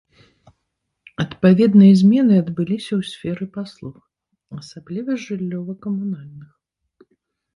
Адпаведныя змены адбыліся ў сферы паслуг, асабліва жыллёва-камунальных.